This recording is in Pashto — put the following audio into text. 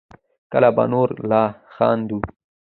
کله به نور لا خندوو